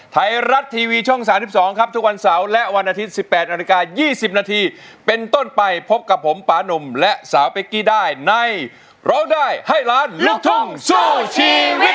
ไทยรัฐทีวีช่อง๓๒ครับทุกวันเสาร์และวันอาทิตย์๑๘นาฬิกา๒๐นาทีเป็นต้นไปพบกับผมปานุ่มและสาวเป๊กกี้ได้ในร้องได้ให้ล้านลูกทุ่งสู้ชีวิต